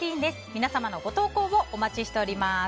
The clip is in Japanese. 皆さんのご投稿をお待ちしております。